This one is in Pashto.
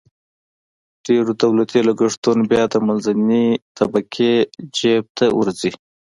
ډېری دولتي لګښتونه بیا د منځنۍ طبقې جیب ته ورځي.